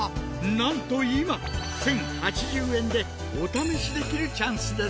なんと今１，０８０円でお試しできるチャンスです！